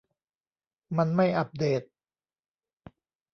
มันไม่อัปเดต